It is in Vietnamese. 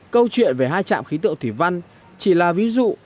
câu chuyện về hai trạm khí tượng thủy văn chỉ là ví dụ